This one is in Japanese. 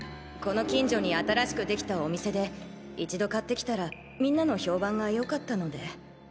この近所に新しくできたお店で一度買って来たらみんなの評判が良かったので。